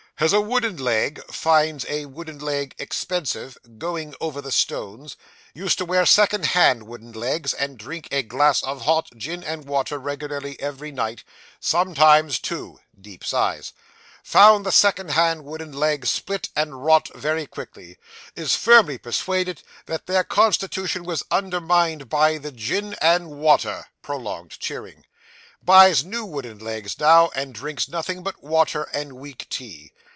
Has a wooden leg; finds a wooden leg expensive, going over the stones; used to wear second hand wooden legs, and drink a glass of hot gin and water regularly every night sometimes two (deep sighs). Found the second hand wooden legs split and rot very quickly; is firmly persuaded that their constitution was undermined by the gin and water (prolonged cheering). Buys new wooden legs now, and drinks nothing but water and weak tea.